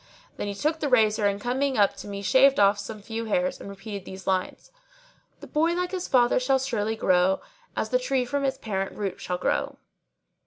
Then he took the razor and coming up to me shaved off some few hairs and repeated these lines:— "The boy like his father shall surely show, * As the tree from its parent root shall grow."